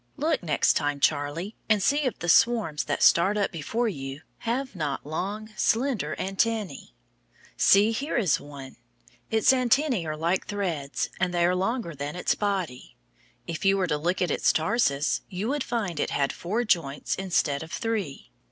Look, next time, Charlie, and see if the swarms that start up before you have not long, slender antennæ. See, here is one. Its antennæ are like threads, and they are longer than its body. If you were to look at its tarsus, you would find it had four joints instead of three.